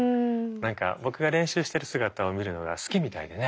何か僕が練習してる姿を見るのが好きみたいでね。